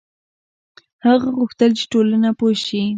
هغه غوښتل چې ټولنه پوه شي.